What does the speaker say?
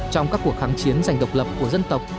trong các cuộc kháng chiến dành độc lập của dân tộc